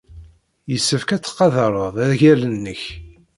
Yessefk ad tettqadared agal-nnek.